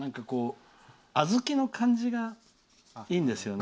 小豆の感じがいいんですよね。